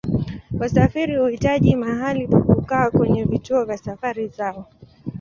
Wasafiri huhitaji mahali pa kukaa kwenye vituo vya safari zao.